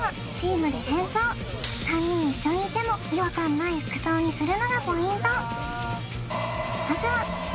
３人一緒にいても違和感ない服装にするのがポイント